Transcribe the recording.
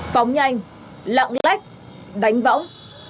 phóng nhanh lặng lách đánh võng